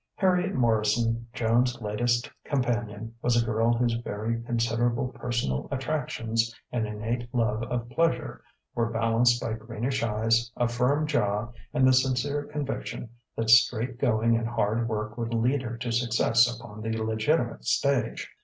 Harriet Morrison, Joan's latest companion, was a girl whose very considerable personal attractions and innate love of pleasure were balanced by greenish eyes, a firm jaw, and the sincere conviction that straight going and hard work would lead her to success upon the legitimate stage.